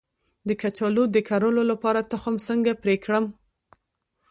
د کچالو د کرلو لپاره تخم څنګه پرې کړم؟